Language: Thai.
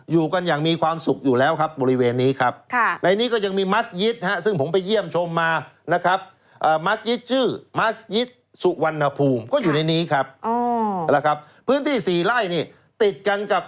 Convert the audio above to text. อยู่กันอย่างมีความสุขอยู่แล้วครับบริเวณนี้ครับ